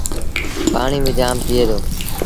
پآڻيٚ با جآم پييٚئي دو۔